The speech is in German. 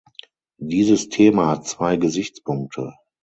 Dieses Thema hat zwei Gesichtspunkte.